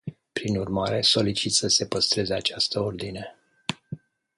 Prin urmare, solicit să se păstreze această ordine.